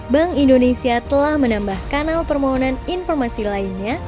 bank indonesia telah menambah kanal permohonan informasi lainnya